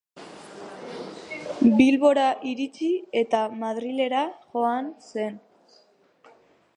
Bilbora iritsi eta Madrila joan zen.